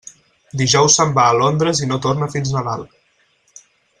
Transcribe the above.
Dijous se'n va a Londres i no torna fins Nadal.